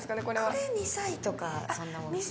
これ、２歳とか。